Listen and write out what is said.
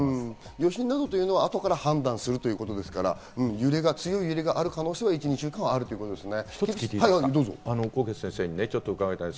余震などは後から判断するということですから、強い揺れがある可能性は１２週間あるということですね。